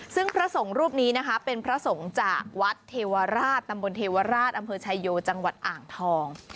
ซึ่งพระสงฆ์รูปนี้นะคะเป็นพระสงฆ์จากวัดเทวราชตำบลเทวราชอำเภอชายโยจังหวัดอ่างทอง